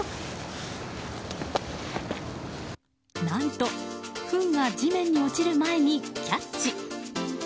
何とふんが地面に落ちる前にキャッチ。